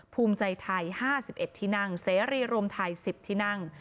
ภูมิใจไทยห้าสิบเอ็ดที่นั่งเสรีรวมไทยสิบที่นั่ง